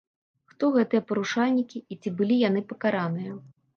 Хто гэтыя парушальнікі і ці былі яны пакараныя?